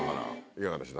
いかがでした？